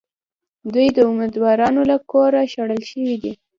دوی د اُمیدوارانو له کوره شړل شوي دي.